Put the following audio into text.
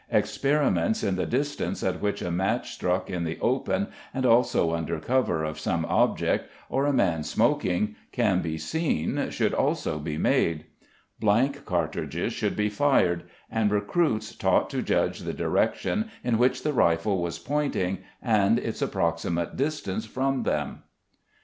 Experiments in the distance at which a match struck in the open and also under cover of some object, or a man smoking, can be seen should also be made. Blank cartridges should be fired, and recruits taught to judge the direction in which the rifle was pointing and its approximate distance from them.